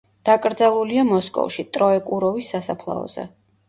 დაკრძალულია მოსკოვში, ტროეკუროვის სასაფლაოზე.